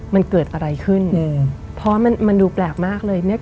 มันเกิดอะไรขึ้นอืมเพราะมันมันดูแปลกมากเลยเนี้ย